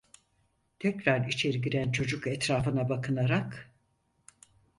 Tekrar içeri giren çocuk etrafına bakınarak…